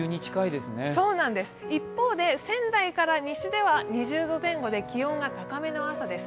一方で、仙台から西では２０度前後で気温が高めの朝です。